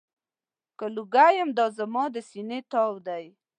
که لوګی یم، دا زما د سینې تاو دی.